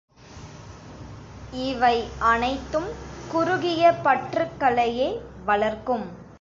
இவை அனைத்தும் குறுகிய பற்றுக்களையே வளர்க்கும்.